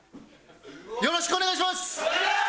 よろしくお願いします！